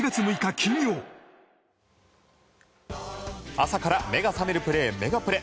朝から目が覚めるプレーメガプレ。